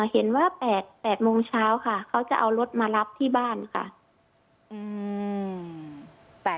เห็นว่า๘โมงเช้าค่ะเขาจะเอารถมารับที่บ้านค่ะ